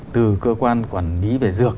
từ cơ quan quản lý về dược